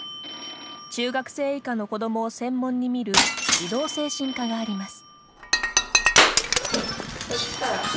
中学生以下の子どもを専門に診る児童精神科があります。